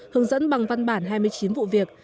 hướng dẫn bằng văn bản hai mươi chín vụ việc